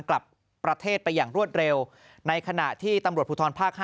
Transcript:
กลับประเทศไปอย่างรวดเร็วในขณะที่ตำรวจภูทรภาค๕